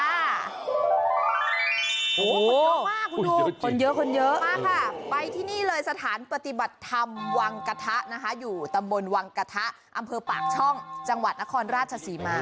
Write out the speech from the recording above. โอ้โหคนเยอะมากคุณดูคนเยอะคนเยอะมากค่ะไปที่นี่เลยสถานปฏิบัติธรรมวังกระทะนะคะอยู่ตำบลวังกระทะอำเภอปากช่องจังหวัดนครราชศรีมา